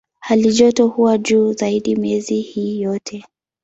Halijoto huwa juu zaidi miezi hii yote.